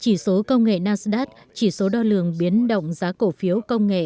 chỉ số đo lường biến động giá cổ phiếu công nghệ chỉ số đo lường biến động giá cổ phiếu công nghệ